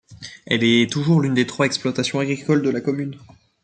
Elle est toujours l'une des trois exploitations agricoles de la commune.